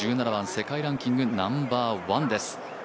１７番、世界ランキングナンバーワンです。